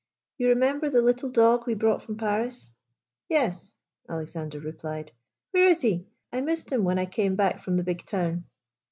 You remember the little dog we brought from Paris ?"" Yes," Alexander replied ;" where is he ? I missed him when I came back from the Big Town."